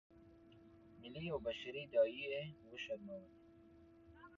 ملي او بشري داعیې یې وشرمولې.